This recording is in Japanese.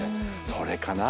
それかな。